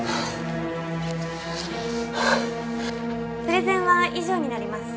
プレゼンは以上になります。